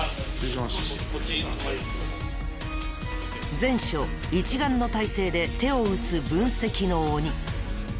全署一丸の態勢で手を打つ分析の鬼。